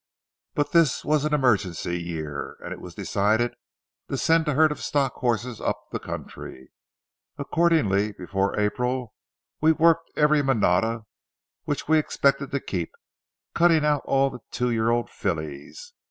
But this was an emergency year, and it was decided to send a herd of stock horses up the country. Accordingly, before April, we worked every manada which we expected to keep, cutting out all the two year old fillies.